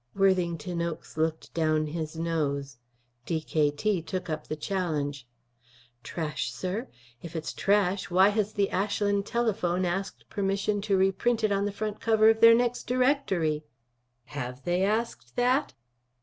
Worthington Oakes looked down his nose. D.K.T. took up the challenge. "Trash, sir? If it's trash, why has the Ashland Telephone asked permission to reprint it on the front cover of their next directory?" "Have they asked that?"